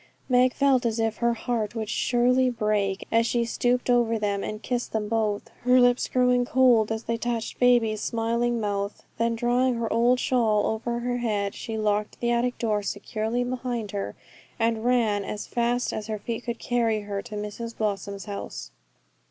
Meg felt as if her heart would surely break as she stooped over them, and kissed them both, her lips growing cold as they touched baby's smiling mouth. Then drawing her old shawl over her head, she locked the attic door securely behind her, and ran as fast as her feet could carry her to Mrs Blossom's house.